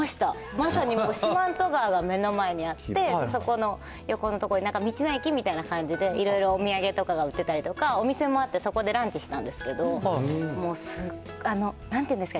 まさに四万十川が目の前にあって、そこの横の所になんか、道の駅みたいな感じで、いろいろお土産とかが売ってたりとか、お店もあって、そこでランチしたんですけど、もう、なんていうんですか？